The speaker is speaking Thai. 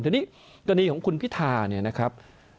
ทีนี้กรณีของคุณพิธาเนี่ยนะครับ